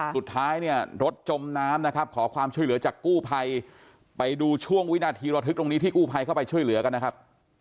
สุดท้ายเนี่ยรถจมน้ำนะครับขอความช่วยเหลือจากกู้ภัยไปดูช่วงวินาทีระทึกตรงนี้ที่กู้ภัยเข้าไปช่วยเหลือกันนะครับ